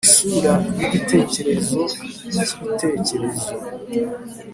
isura nigitekerezo cyibitekerezo.